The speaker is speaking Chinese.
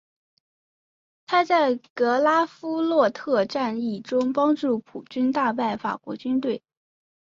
他在格拉夫洛特战役中帮助普军大败法国军队。